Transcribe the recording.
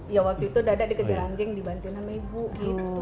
ya waktu itu dada dikejar anjing dibantuin sama ibu gitu